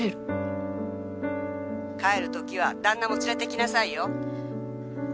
「帰る時は旦那も連れてきなさいよ」